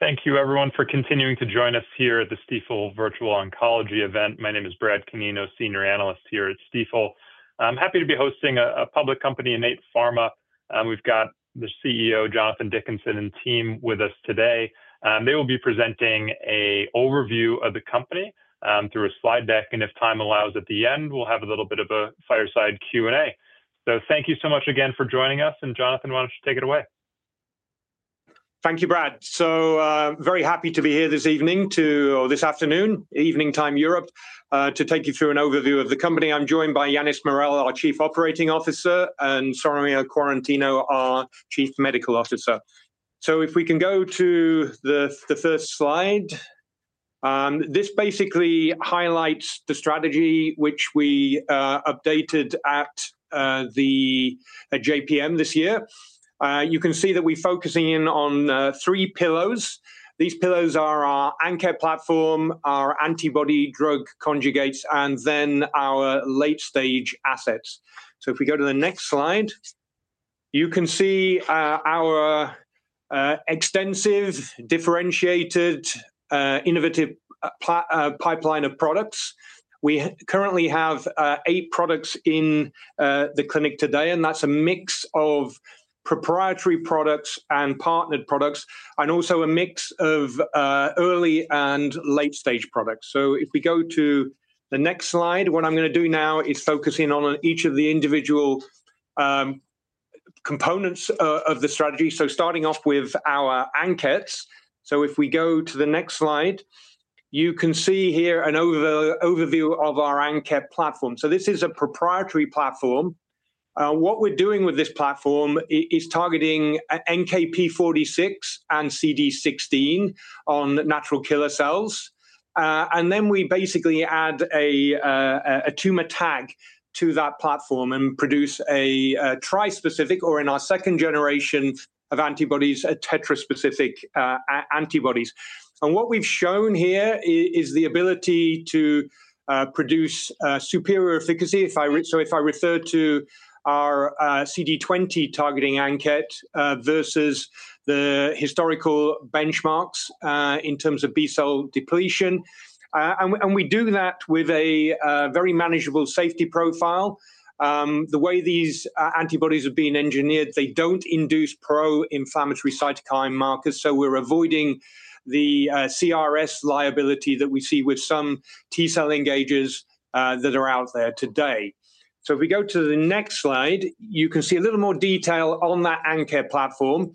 Thank you, everyone, for continuing to join us here at the Stifel Virtual Oncology event. My name is Brad Canino, Senior Analyst here at Stifel. I'm happy to be hosting a public company, Innate Pharma. We've got the CEO, Jonathan Dickinson, and team with us today. They will be presenting an overview of the company through a slide deck, and if time allows, at the end, we'll have a little bit of a fireside Q&A. Thank you so much again for joining us. Jonathan, why don't you take it away? Thank you, Brad. Very happy to be here this evening, or this afternoon, evening time Europe, to take you through an overview of the company. I'm joined by Yannis Morel, our Chief Operating Officer, and Sonia Quaratino, our Chief Medical Officer. If we can go to the first slide, this basically highlights the strategy which we updated at the J.P. M this year. You can see that we're focusing in on three pillars. These pillars are our ANKET platform, our antibody-drug conjugates, and then our late-stage assets. If we go to the next slide, you can see our extensive differentiated innovative pipeline of products. We currently have eight products in the clinic today, and that's a mix of proprietary products and partnered products, and also a mix of early and late-stage products. If we go to the next slide, what I'm going to do now is focus in on each of the individual components of the strategy. Starting off with our ANKETs. If we go to the next slide, you can see here an overview of our ANKET platform. This is a proprietary platform. What we're doing with this platform is targeting NKp46 and CD16 on natural killer cells. We basically add a tumor tag to that platform and produce a tri-specific, or in our second generation of antibodies, a tetra-specific antibodies. What we've shown here is the ability to produce superior efficacy. If I refer to our CD20 targeting ANKET versus the historical benchmarks in terms of B-cell depletion, we do that with a very manageable safety profile. The way these antibodies have been engineered, they don't induce pro-inflammatory cytokine markers. We're avoiding the CRS liability that we see with some T-cell engagers that are out there today. If we go to the next slide, you can see a little more detail on that ANKET platform.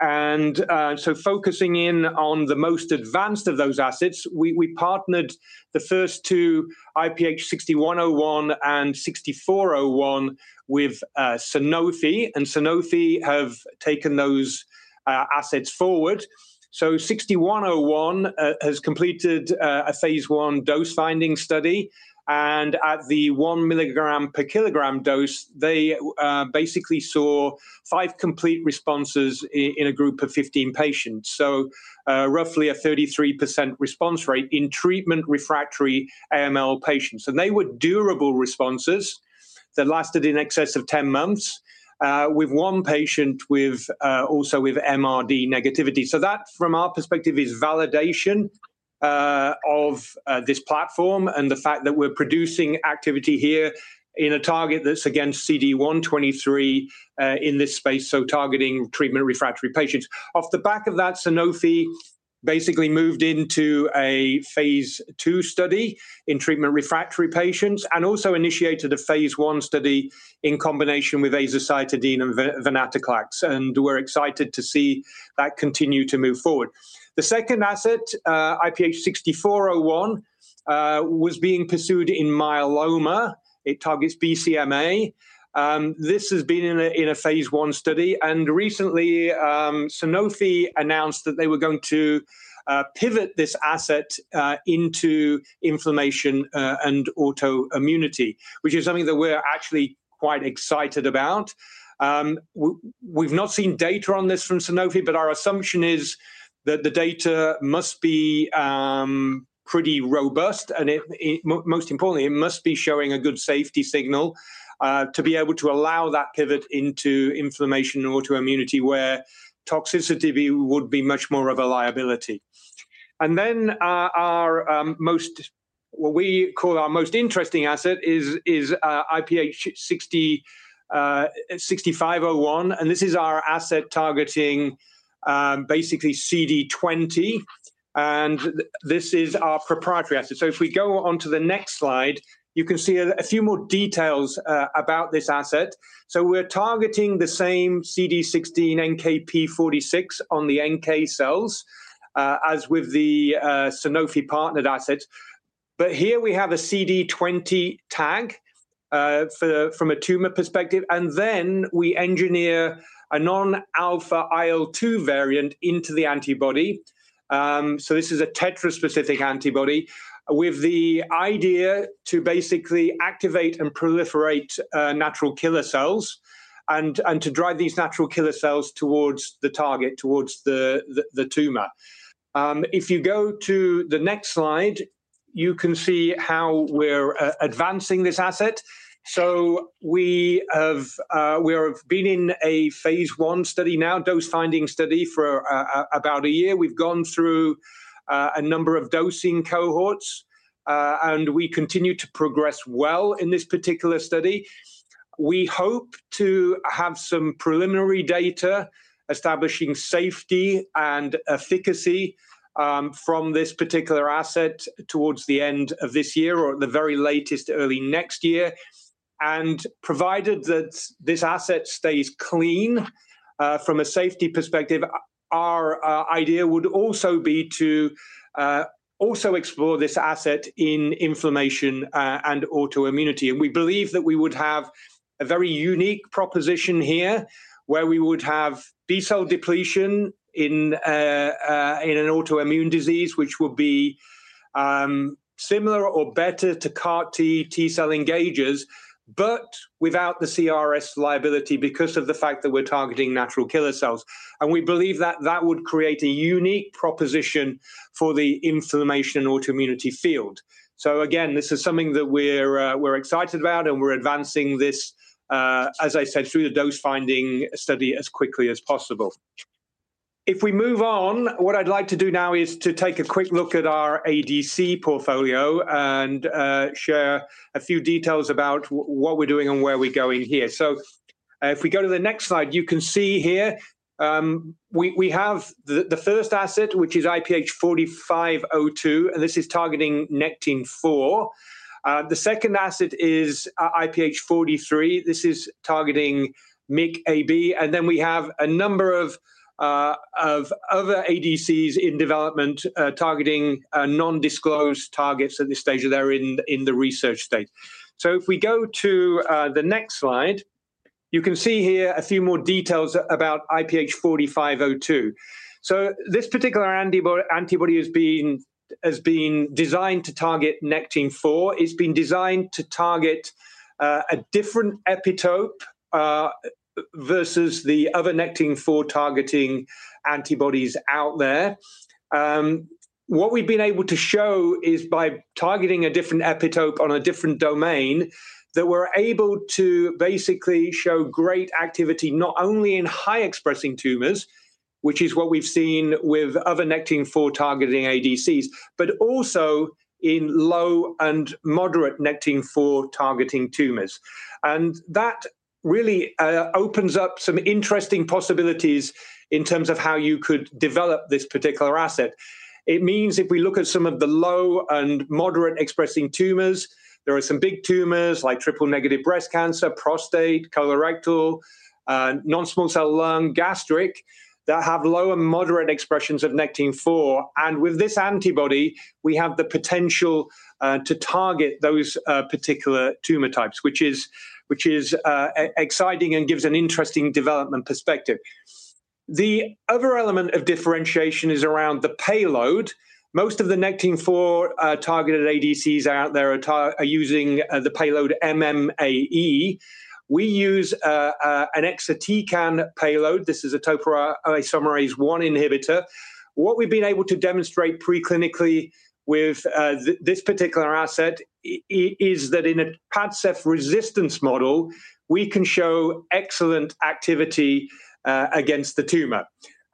Focusing in on the most advanced of those assets, we partnered the first two, IPH6101 and 6401, with Sanofi, and Sanofi have taken those assets forward. 6101 has completed a phase I dose finding study. At the 1 mg per kg dose, they basically saw five complete responses in a group of 15 patients, so roughly a 33% response rate in treatment refractory AML patients. They were durable responses that lasted in excess of 10 months, with one patient also with MRD negativity. That, from our perspective, is validation of this platform and the fact that we're producing activity here in a target that's against CD123 in this space, so targeting treatment refractory patients. Off the back of that, Sanofi basically moved into a phase II study in treatment refractory patients and also initiated a phase I study in combination with azacitidine and venetoclax. We're excited to see that continue to move forward. The second asset, IPH6401, was being pursued in myeloma. It targets BCMA. This has been in a phase I study. Recently, Sanofi announced that they were going to pivot this asset into inflammation and autoimmunity, which is something that we're actually quite excited about. We've not seen data on this from Sanofi, but our assumption is that the data must be pretty robust. Most importantly, it must be showing a good safety signal to be able to allow that pivot into inflammation and autoimmunity, where toxicity would be much more of a liability. Our most, what we call our most interesting asset, is IPH6501. This is our asset targeting basically CD20. This is our proprietary asset. If we go on to the next slide, you can see a few more details about this asset. We are targeting the same CD16 and NKp46 on the NK cells, as with the Sanofi partnered assets. Here we have a CD20 tag from a tumor perspective. We engineer a non-alpha IL-2 variant into the antibody. This is a tetra-specific antibody with the idea to basically activate and proliferate natural killer cells and to drive these natural killer cells towards the target, towards the tumor. If you go to the next slide, you can see how we're advancing this asset. We have been in a phase I study now, dose finding study for about a year. We've gone through a number of dosing cohorts, and we continue to progress well in this particular study. We hope to have some preliminary data establishing safety and efficacy from this particular asset towards the end of this year or at the very latest early next year. Provided that this asset stays clean from a safety perspective, our idea would also be to also explore this asset in inflammation and autoimmunity. We believe that we would have a very unique proposition here where we would have B-cell depletion in an autoimmune disease, which would be similar or better to CAR T-cell engagers, but without the CRS liability because of the fact that we're targeting natural killer cells. We believe that that would create a unique proposition for the inflammation and autoimmunity field. This is something that we're excited about, and we're advancing this, as I said, through the dose finding study as quickly as possible. If we move on, what I'd like to do now is to take a quick look at our ADC portfolio and share a few details about what we're doing and where we're going here. If we go to the next slide, you can see here we have the first asset, which is IPH4502, and this is targeting Nectin-4. The second asset is IPH43. This is targeting MICA/B. Then we have a number of other ADCs in development targeting non-disclosed targets at this stage that are in the research state. If we go to the next slide, you can see here a few more details about IPH4502. This particular antibody has been designed to target Nectin-4. It's been designed to target a different epitope versus the other Nectin-4 targeting antibodies out there. What we've been able to show is by targeting a different epitope on a different domain that we're able to basically show great activity not only in high-expressing tumors, which is what we've seen with other Nectin-4 targeting ADCs, but also in low and moderate Nectin-4 targeting tumors. That really opens up some interesting possibilities in terms of how you could develop this particular asset. It means if we look at some of the low and moderate expressing tumors, there are some big tumors like triple negative breast cancer, prostate, colorectal, non-small cell lung, gastric that have low and moderate expressions of Nectin-4. With this antibody, we have the potential to target those particular tumor types, which is exciting and gives an interesting development perspective. The other element of differentiation is around the payload. Most of the Nectin-4 targeted ADCs out there are using the payload MMAE. We use an exatecan payload. This is a topoisomerase I inhibitor. What we've been able to demonstrate preclinically with this particular asset is that in a PADCEV resistance model, we can show excellent activity against the tumor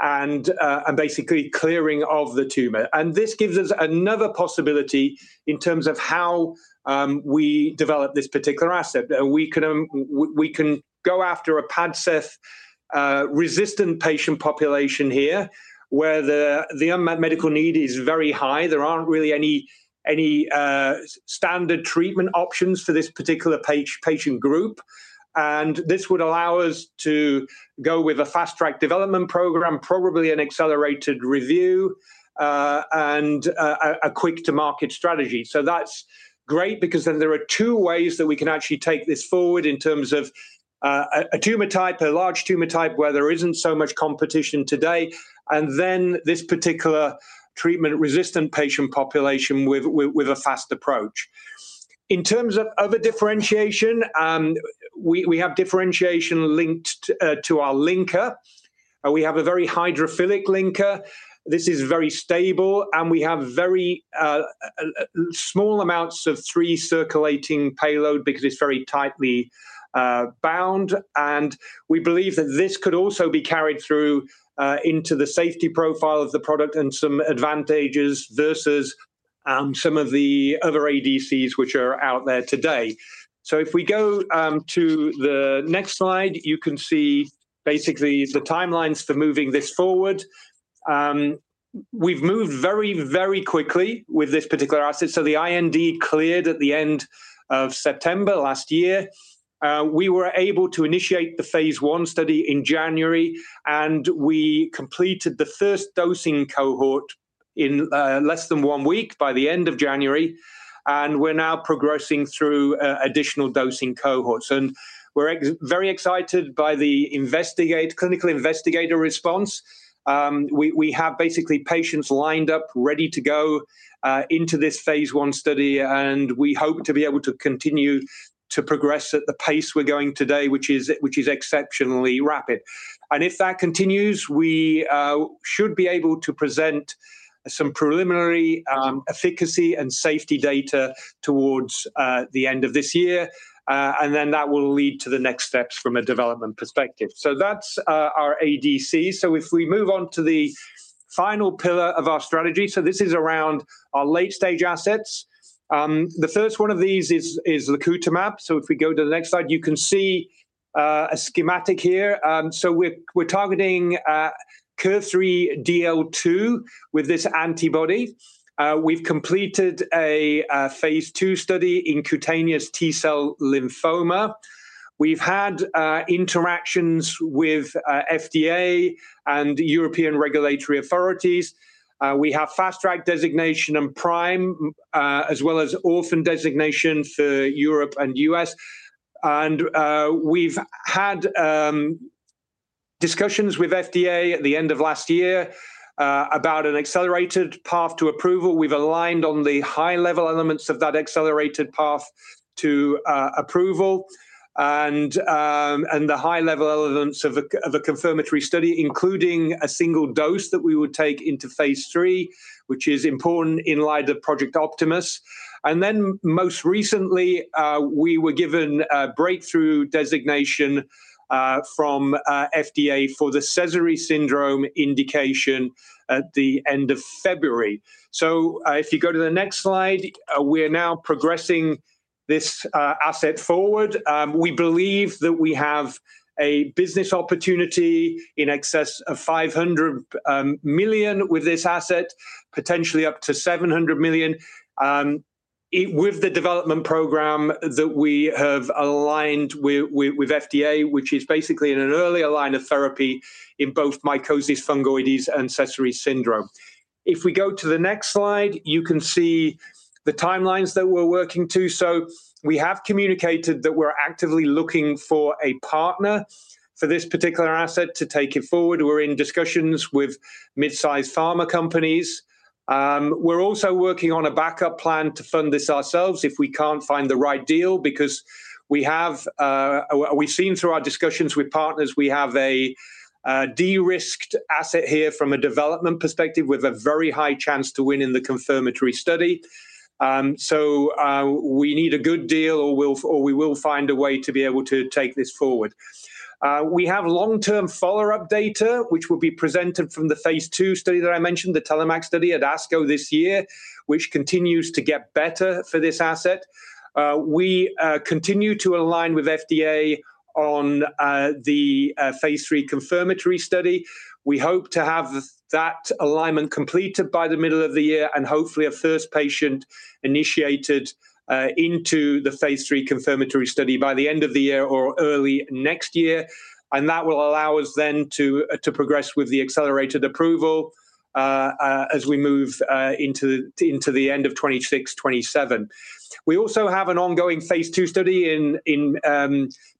and basically clearing of the tumor. This gives us another possibility in terms of how we develop this particular asset. We can go after a PADCEV resistant patient population here where the unmet medical need is very high. There aren't really any standard treatment options for this particular patient group. This would allow us to go with a fast track development program, probably an accelerated review, and a quick-to-market strategy. That is great because then there are two ways that we can actually take this forward in terms of a tumor type, a large tumor type where there is not so much competition today, and then this particular treatment resistant patient population with a fast approach. In terms of other differentiation, we have differentiation linked to our linker. We have a very hydrophilic linker. This is very stable. We have very small amounts of free circulating payload because it is very tightly bound. We believe that this could also be carried through into the safety profile of the product and some advantages versus some of the other ADCs which are out there today. If we go to the next slide, you can see basically the timelines for moving this forward. We have moved very, very quickly with this particular asset. The IND cleared at the end of September last year. We were able to initiate the phase one study in January, and we completed the first dosing cohort in less than one week by the end of January. We are now progressing through additional dosing cohorts. We are very excited by the clinical investigator response. We have basically patients lined up ready to go into this phase one study. We hope to be able to continue to progress at the pace we are going today, which is exceptionally rapid. If that continues, we should be able to present some preliminary efficacy and safety data towards the end of this year. That will lead to the next steps from a development perspective. That is our ADC. If we move on to the final pillar of our strategy, this is around our late-stage assets. The first one of these is lacutamab. If we go to the next slide, you can see a schematic here. We are targeting KIR3DL2 with this antibody. We have completed a phase II study in cutaneous T-cell lymphoma. We have had interactions with FDA and European regulatory authorities. We have fast track designation and PRIME, as well as orphan designation for Europe and U.S.. We have had discussions with FDA at the end of last year about an accelerated path to approval. We have aligned on the high-level elements of that accelerated path to approval and the high-level elements of a confirmatory study, including a single dose that we would take into phase III, which is important in light of Project Optimus. Most recently, we were given a breakthrough designation from FDA for the Sézary Syndrome indication at the end of February. If you go to the next slide, we're now progressing this asset forward. We believe that we have a business opportunity in excess of $500 million with this asset, potentially up to $700 million with the development program that we have aligned with FDA, which is basically an earlier line of therapy in both Mycosis fungoides and Sézary Syndrome. If we go to the next slide, you can see the timelines that we're working to. We have communicated that we're actively looking for a partner for this particular asset to take it forward. We're in discussions with mid-sized pharma companies. We're also working on a backup plan to fund this ourselves if we can't find the right deal because we have seen through our discussions with partners, we have a de-risked asset here from a development perspective with a very high chance to win in the confirmatory study. We need a good deal or we will find a way to be able to take this forward. We have long-term follow-up data, which will be presented from the phase II study that I mentioned, the TELLOMAK study at ASCO this year, which continues to get better for this asset. We continue to align with FDA on the phase III confirmatory study. We hope to have that alignment completed by the middle of the year and hopefully a first patient initiated into the phase III confirmatory study by the end of the year or early next year. That will allow us then to progress with the accelerated approval as we move into the end of 2026, 2027. We also have an ongoing phase II study in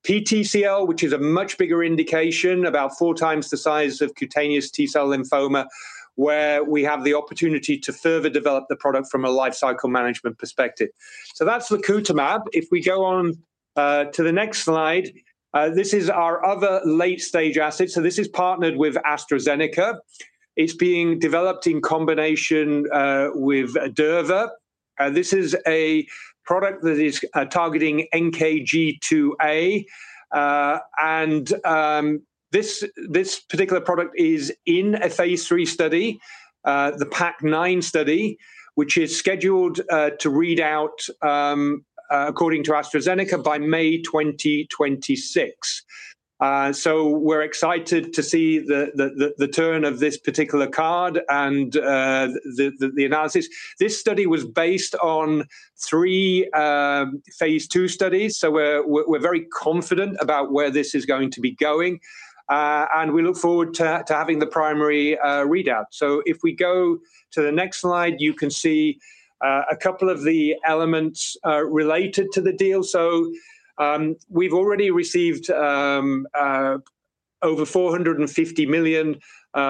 PTCL, which is a much bigger indication, about four times the size of cutaneous T-cell lymphoma, where we have the opportunity to further develop the product from a lifecycle management perspective. So that's lacutamab. If we go on to the next slide, this is our other late-stage asset. This is partnered with AstraZeneca. It's being developed in combination with durva. This is a product that is targeting NKG2A. And this particular product is in a phase III study, the PAC-9 study, which is scheduled to read out according to AstraZeneca by May 2026. We're excited to see the turn of this particular card and the analysis. This study was based on three phase II studies. We're very confident about where this is going to be going. We look forward to having the primary readout. If we go to the next slide, you can see a couple of the elements related to the deal. We have already received over $450 million from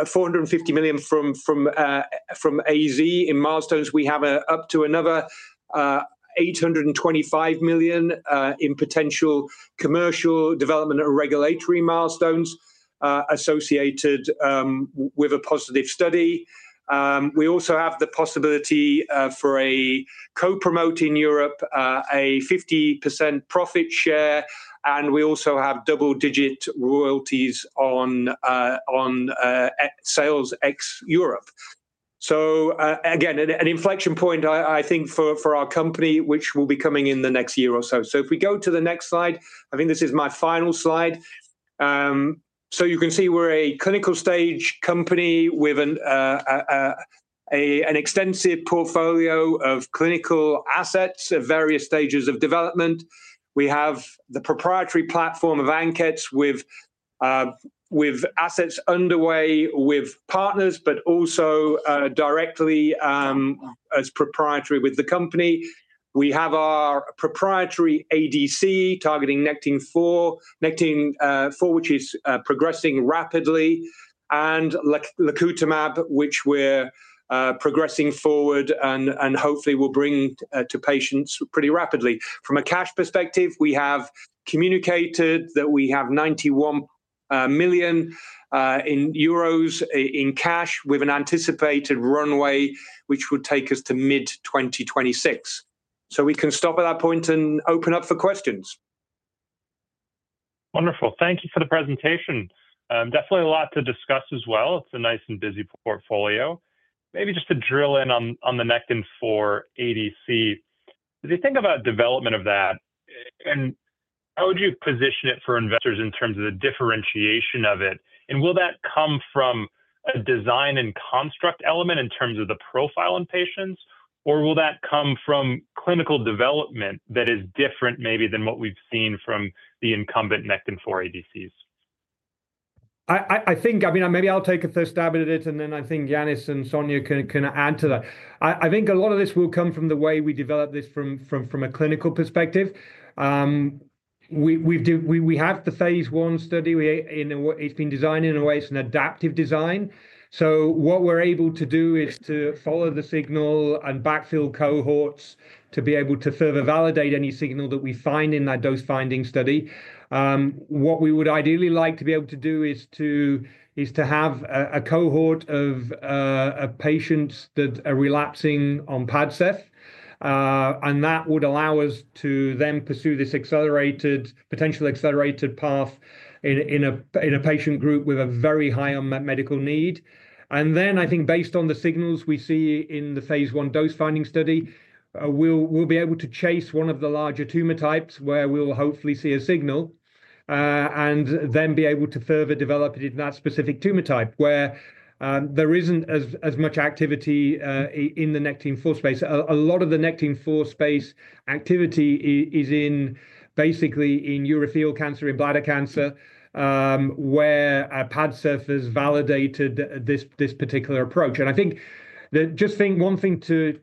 AstraZeneca in milestones. We have up to another $825 million in potential commercial, development, or regulatory milestones associated with a positive study. We also have the possibility for a co-promote in Europe, a 50% profit share. We also have double-digit royalties on sales ex-Europe. Again, an inflection point, I think, for our company, which will be coming in the next year or so. If we go to the next slide, I think this is my final slide. You can see we are a clinical stage company with an extensive portfolio of clinical assets at various stages of development. We have the proprietary platform of ANKET with assets underway with partners, but also directly as proprietary with the company. We have our proprietary ADC targeting Nectin-4, which is progressing rapidly, and lacutamab, which we're progressing forward and hopefully will bring to patients pretty rapidly. From a cash perspective, we have communicated that we have 91 million euros in cash with an anticipated runway, which would take us to mid-2026. We can stop at that point and open up for questions. Wonderful. Thank you for the presentation. Definitely a lot to discuss as well. It's a nice and busy portfolio. Maybe just to drill in on the Nectin-4 ADC. If you think about development of that, how would you position it for investors in terms of the differentiation of it? Will that come from a design and construct element in terms of the profile in patients, or will that come from clinical development that is different maybe than what we've seen from the incumbent Nectin-4 ADCs? I think, I mean, maybe I'll take a first stab at it, and then I think Yannis and Sonia can add to that. I think a lot of this will come from the way we develop this from a clinical perspective. We have the phase I study. It's been designed in a way it's an adaptive design. What we're able to do is to follow the signal and backfill cohorts to be able to further validate any signal that we find in that dose finding study. What we would ideally like to be able to do is to have a cohort of patients that are relapsing on PADCEV. That would allow us to then pursue this potential accelerated path in a patient group with a very high unmet medical need. I think based on the signals we see in the phase I dose finding study, we'll be able to chase one of the larger tumor types where we'll hopefully see a signal and then be able to further develop it in that specific tumor type where there isn't as much activity in the Nectin-4 space. A lot of the Nectin-4 space activity is basically in urothelial cancer and bladder cancer where PADCEV has validated this particular approach. I think just one thing to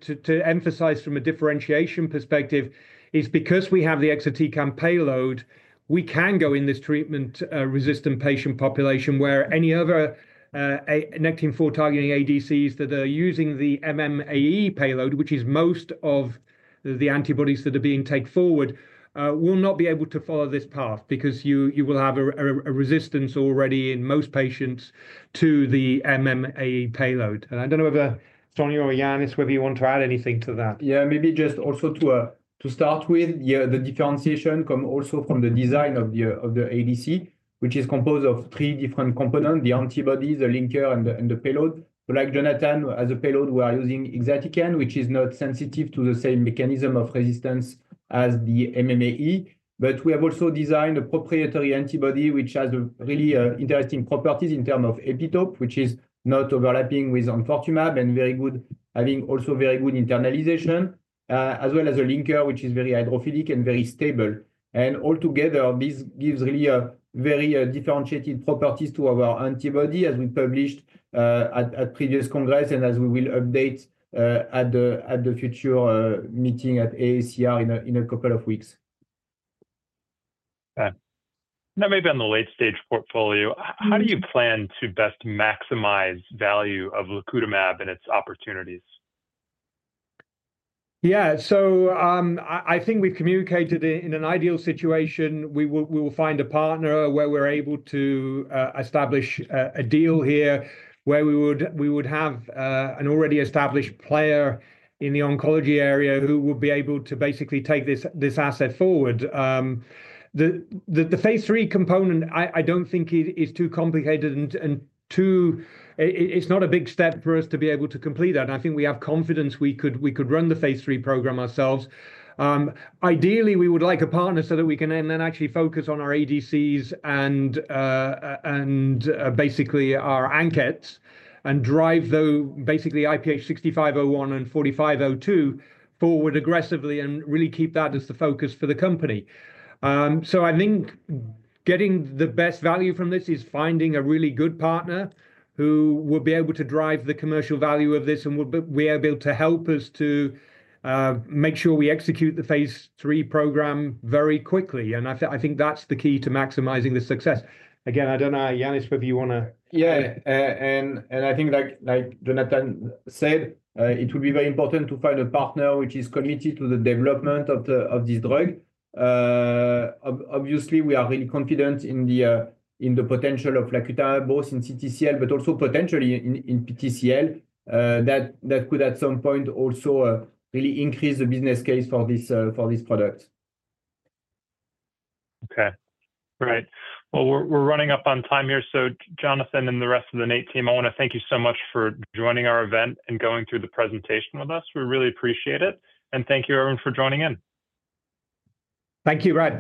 emphasize from a differentiation perspective is because we have the exatecan payload, we can go in this treatment resistant patient population where any other Nectin-4 targeting ADCs that are using the MMAE payload, which is most of the antibodies that are being taken forward, will not be able to follow this path because you will have a resistance already in most patients to the MMA payload. I don't know whether Sonia or Yannis, whether you want to add anything to that. Yeah, maybe just also to start with, the differentiation comes also from the design of the ADC, which is composed of three different components: the antibodies, the linker, and the payload. Like Jonathan has a payload, we are using exatican, which is not sensitive to the same mechanism of resistance as the MMAE. We have also designed a proprietary antibody, which has really interesting properties in terms of epitope, which is not overlapping with enfortumab and very good, having also very good internalization, as well as a linker, which is very hydrophilic and very stable. Altogether, this gives really very differentiated properties to our antibody as we published at previous congress and as we will update at the future meeting at AACR in a couple of weeks. Now, maybe on the late-stage portfolio, how do you plan to best maximize value of lacutamab and its opportunities? Yeah, I think we've communicated in an ideal situation. We will find a partner where we're able to establish a deal here where we would have an already established player in the oncology area who would be able to basically take this asset forward. The phase III component, I do not think it is too complicated and too—it is not a big step for us to be able to complete that. I think we have confidence we could run the phase III program ourselves. Ideally, we would like a partner so that we can then actually focus on our ADCs and basically our ANKETs and drive basically IPH6501 and IPH4502 forward aggressively and really keep that as the focus for the company. I think getting the best value from this is finding a really good partner who will be able to drive the commercial value of this and will be able to help us to make sure we execute the phase three program very quickly. I think that is the key to maximizing the success. Again, I do not know, Yannis, whether you want to. Yeah. I think, like Jonathan said, it would be very important to find a partner which is committed to the development of this drug. Obviously, we are really confident in the potential of lacutamab, both in CTCL, but also potentially in PTCL that could at some point also really increase the business case for this product. Okay. Right. We are running up on time here. Jonathan and the rest of the Innate team, I want to thank you so much for joining our event and going through the presentation with us. We really appreciate it. Thank you, everyone, for joining in. Thank you, Brad.